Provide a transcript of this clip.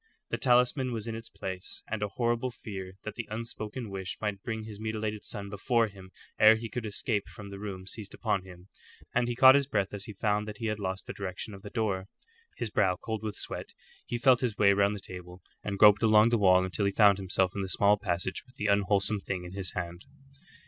The talisman was in its place, and a horrible fear that the unspoken wish might bring his mutilated son before him ere he could escape from the room seized upon him, and he caught his breath as he found that he had lost the direction of the door. His brow cold with sweat, he felt his way round the table, and groped along the wall until he found himself in the small passage with the unwholesome thing in his hand.